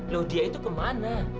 loh dia itu kemana